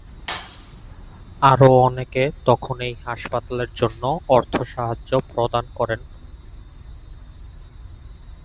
আরো অনেকে তখন এই হাসপাতালের জন্য অর্থ সাহায্য প্রদান করেন।